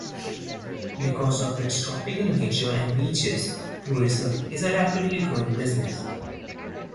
Because of its tropical nature and beaches, tourism is a rapidly growing business.